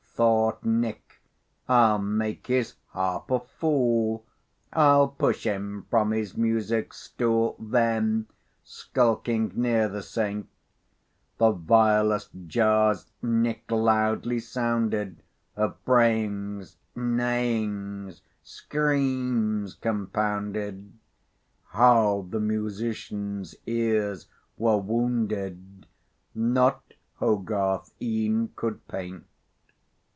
Thought Nick, I'll make his harp a fool; I'll push him from his music stool; Then, skulking near the saint, The vilest jars Nick loudly sounded, Of brayings, neighings, screams compounded; How the musician's ears were wounded, Not Hogarth e'en could paint.